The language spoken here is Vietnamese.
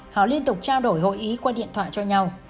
họ liên tục trao đổi hội ý qua điện thoại cho nhau